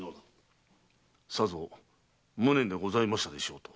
“さぞ無念でございましたでしょう”と。